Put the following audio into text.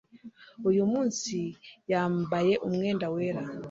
Uyu munsi yambaye umwenda wera.